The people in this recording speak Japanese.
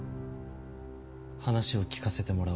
話を聞かせてもらおうか。